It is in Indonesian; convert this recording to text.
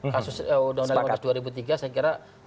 kasus tahun dua ribu tiga saya kira